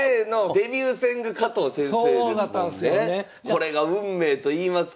これが運命といいますか。